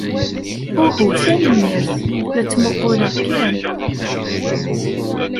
Uhu, tanemmirt. La ttmuqquleɣ kan.